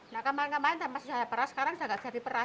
nah kemarin kemarin sama saya perah sekarang sudah gak jadi perah